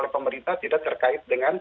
pemirta tidak terkait